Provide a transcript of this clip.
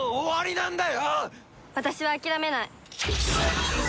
私は諦めない。